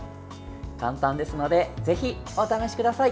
簡単ですのでぜひお試しください。